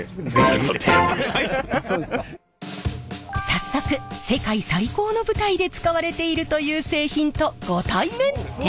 早速世界最高の舞台で使われているという製品とご対面。